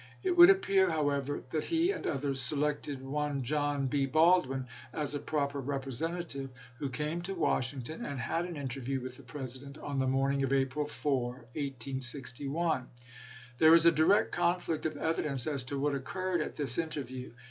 It would appear, however, that he and others selected one John B. Baldwin as a proper representative, who came to "Washington and had an interview with the President on the morning of April 4, 1861. There is a direct conflict of evidence as to what occurred at this interview.